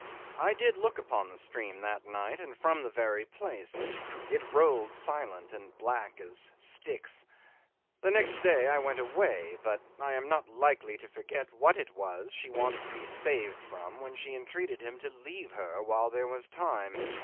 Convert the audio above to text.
I did look upon the stream that night and from the very place; it rolled silent and as black as Styx: the next day I went away, but I am not likely to forget what it was she wanted to be saved from when she entreated him to leave her while there was time.